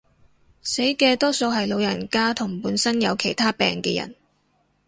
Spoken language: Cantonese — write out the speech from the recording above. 死嘅多數係老人家同本身有其他病嘅人